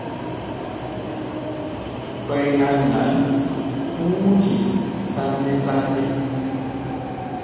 Koyŋal ŋal ɓuutii sanne sanne.